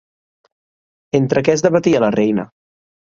Entre què es debatia la reina?